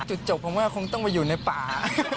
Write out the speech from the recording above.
จบผมว่าคงต้องไปอยู่ในป่า